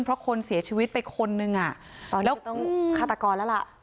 เพราะคนเสียชีวิตเป็นคนนึงอะ